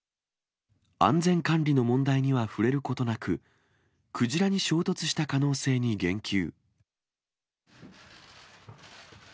安全管理の問題には触れることなく、クジラに衝突した可能性に言及。